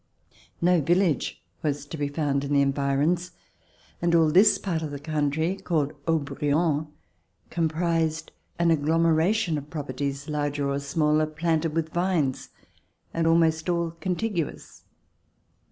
No village was to be found in the environs, and all this part of the country, called Haut Brion, comprised an agglomera tion of properties, larger or smaller, planted with vines and almost all contiguous.